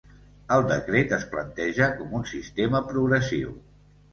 El decret es planteja com un sistema progressiu.